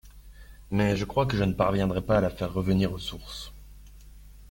mais je crois que je ne parviendrai pas à la faire revenir aux sources…